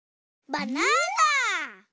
バナナ！